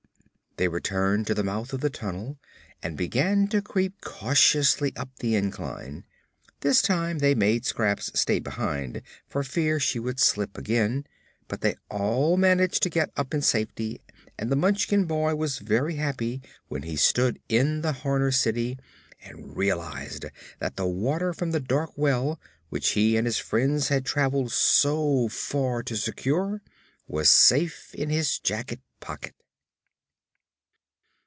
They returned to the mouth of the tunnel and began to creep cautiously up the incline. This time they made Scraps stay behind, for fear she would slip again; but they all managed to get up in safety and the Munchkin boy was very happy when he stood in the Horner city and realized that the water from the dark well, which he and his friends had traveled so far to secure, was safe in his jacket pocket.